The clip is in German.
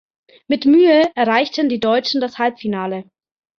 Mit Mühe erreichten die Deutschen das Halbfinale.